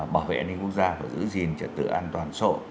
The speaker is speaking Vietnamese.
bảo vệ an ninh quốc gia và giữ gìn trật tự an toàn sổ